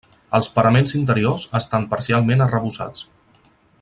Els paraments interiors estan parcialment arrebossats.